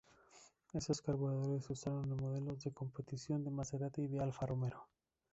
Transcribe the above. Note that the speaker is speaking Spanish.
Estos carburadores se usaron en modelos de competición de Maserati y de Alfa Romeo.